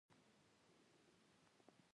ددوی په حساب د نړۍ نهه نوي فیصده خلک.